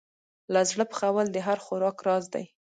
له زړه پخول د هر خوراک راز دی.